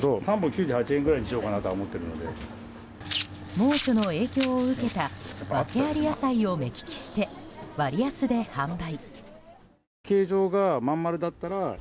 猛暑の影響を受けた訳あり野菜を目利きして割安で販売。